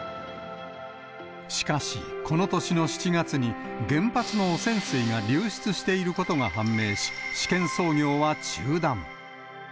しかし、この年の７月に、原発の汚染水が流出していることが判明し、試験操業は中断。